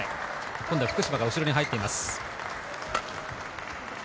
今度は福島が後ろに入っています。